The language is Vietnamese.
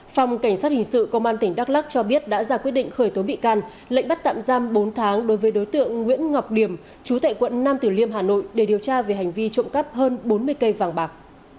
phòng cảnh sát hình sự công an tỉnh đắk lắc cho biết đã ra quyết định khởi tố bị can lệnh bắt tạm giam bốn tháng đối với đối tượng nguyễn ngọc điểm chú tại quận nam tử liêm hà nội để điều tra về hành vi trộm cắp hơn bốn mươi cây vàng bạc